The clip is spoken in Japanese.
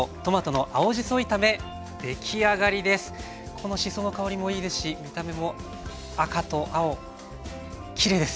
このしその香りもいいですし見た目も赤と青きれいです。